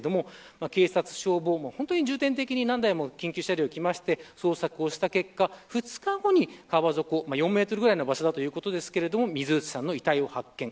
警察、消防も重点的に何台も緊急車が来まして捜索をした結果、２日後に川底４メートルぐらいの場所ですが水内さんの遺体を発見。